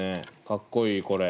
かっこいいこれ。